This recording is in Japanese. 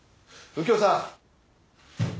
右京さん。